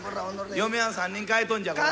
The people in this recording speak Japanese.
嫁はん３人替えとんじゃコラ。